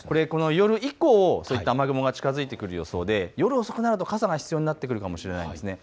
夜以降、そういった雨雲が近づいてくる予想で夜遅くなると傘が必要になってくるかもしれないです。